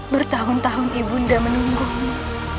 bertahun tahun ibunda menunggumu